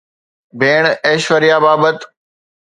ڀيڻ ايشوريا بابت